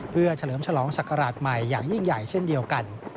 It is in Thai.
เพื่อเฉลิมฉลองศักราชใหม่อย่างยิ่งใหญ่เช่นเดียวกัน